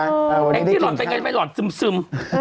แองจี้หล่อนเป็นไงไม่หล่อนซึม